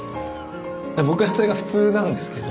僕はそれが普通なんですけど。